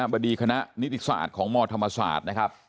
บดีคณะนิติศาสตร์ของมธรรมศาสตร์นะครับ